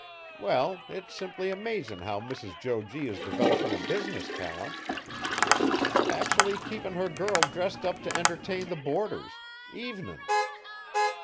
Well, it's simply amazin' how Mrs. Jo G. is developin' a business talent. Actually keepin' her girl dressed up t' entertain the boarders, evenin's!